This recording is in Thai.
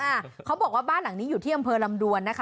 เขาบอกว่าบ้านหลังนี้อยู่ที่อำเภอลำดวนนะคะ